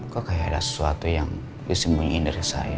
kok kayak ada sesuatu yang disembunyiin dari saya